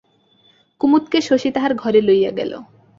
কুমুদকে শশী তাহার ঘরে লইয়া গেল।